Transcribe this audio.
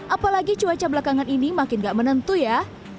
apalagi cuaca belakangan ini makin gak menentu ya